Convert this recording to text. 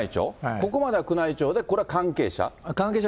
ここまでは宮内庁で、これは関係者。